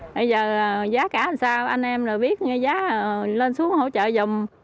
bây giờ giá cả làm sao anh em rồi biết nghe giá lên xuống hỗ trợ dòng